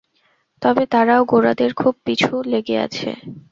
তবে তারাও গোঁড়াদের খুব পিছু লেগে আছে।